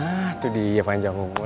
ah tuh dia panjang umur